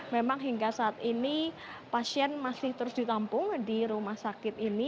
memang hingga saat ini pasien masih terus ditampung di rumah sakit ini